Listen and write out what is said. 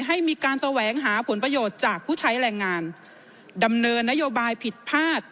ให้มีการแสวงหาผลประโยชน์จากผู้ใช้แรงงานดำเนินนโยบายผิดพลาด